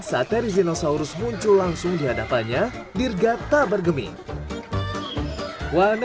saat dari dinosaurus muncul langsung dihadapannya dirga tak bergemi wanda